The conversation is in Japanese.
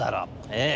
「ええ。